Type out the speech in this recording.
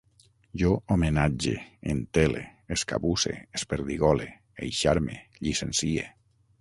Jo homenatge, entele, escabusse, esperdigole, eixarme, llicencie